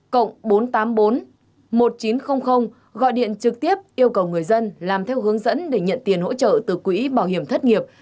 cộng bốn trăm tám mươi bốn một nghìn chín trăm linh gọi điện trực tiếp yêu cầu người dân làm theo hướng dẫn để nhận tiền hỗ trợ từ quỹ bảo hiểm thất nghiệp